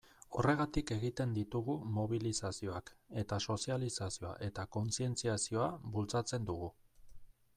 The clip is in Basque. Horregatik egiten ditugu mobilizazioak, eta sozializazioa eta kontzientziazioa bultzatzen dugu.